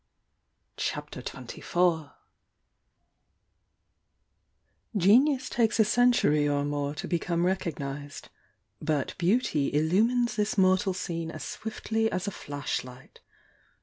CHAPTER XXIV Genius takes a century or more to become recog nised, — but Beauty illumines this mortal scene as swiftly as a fladi Ught.